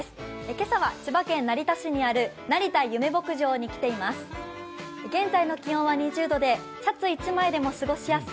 今朝は千葉県成田市にある成田ゆめ牧場に来ています。